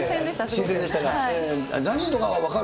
新鮮でしたか。